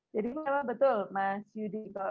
jadi memang betul mas yudi